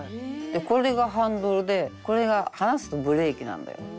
「これがハンドルでこれが離すとブレーキなんだよ」。